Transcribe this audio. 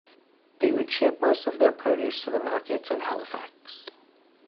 They would ship most of their produce to the markets in Halifax.